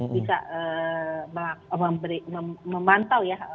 bisa memantau ya